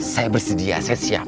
saya bersedia saya siap